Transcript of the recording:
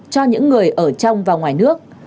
cho những người ở trong và ngoài nước